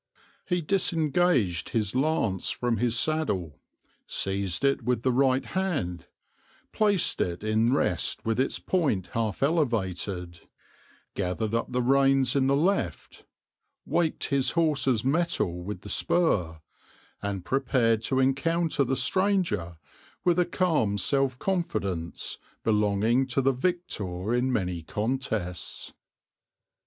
He disengaged his lance from his saddle, seized it with the right hand, placed it in rest with its point half elevated, gathered up the reins in the left, waked his horse's mettle with the spur, and prepared to encounter the stranger with the calm self confidence belonging to the victor in many contests.